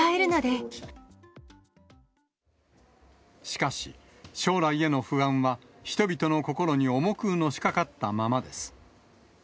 しかし、将来への不安は人々の心に重くのしかかったままです。